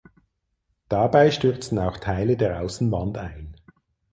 Dabei stürzten auch Teile der Außenwand ein.